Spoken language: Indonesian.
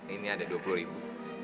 ini ada dua puluh ribu